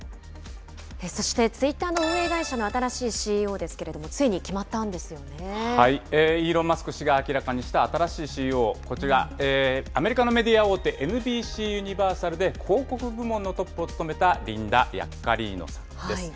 そして、ツイッターの運営会社の新しいＣＥＯですけれども、イーロン・マスク氏が明らかにした新しいＣＥＯ、こちら、アメリカのメディア大手、ＮＢＣユニバーサルで広告部門のトップを務めたリンダ・ヤッカリーノさんです。